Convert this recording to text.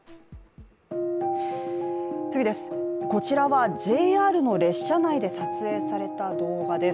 こちらは、ＪＲの列車内で撮影された動画です。